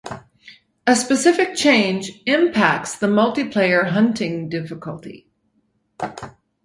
A specific change impacts the multiplayer hunting difficulty.